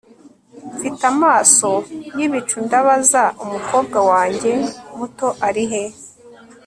Mfite amaso yibicu ndabaza Umukobwa wanjye muto arihe